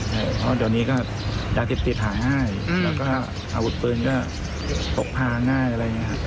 เพราะเดี๋ยวนี้ก็ยาเสพติดหาง่ายแล้วก็อาวุธปืนก็พกพาง่ายอะไรอย่างนี้ครับ